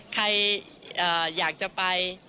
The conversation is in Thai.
ใครอยากจะไป